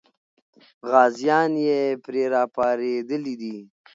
غازیان یې پرې راپارېدلي دي.